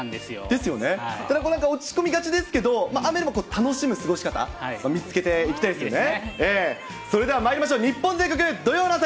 ですよね、落ち込みがちですけど、雨でも楽しむ過ごし方、見つけていきたいですよね。